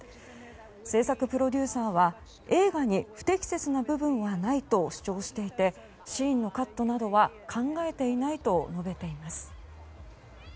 制作プロデューサーは映画に不適切な部分はないと主張していてシーンのカットなどは考えていないと述べています。